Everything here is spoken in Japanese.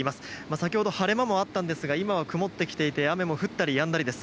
先ほど、晴れ間もあったんですが今は曇ってきていて雨も降ったりやんだりです。